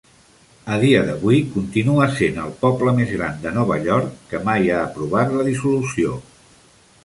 A dia d'avui, continua sent el poble més gran de Nova York que mai ha aprovat la dissolució.